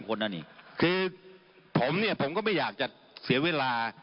คือผมเนี่ยผมก็ไม่อยากจะเสียเวลา